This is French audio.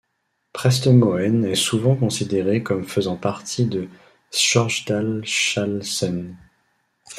Prestemoen est souvent considérée comme faisant partie de Stjørdalshalsen.